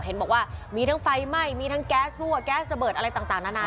เห็นบอกว่ามีทั้งไฟไหม้มีทั้งแก๊สรั่วแก๊สระเบิดอะไรต่างนานา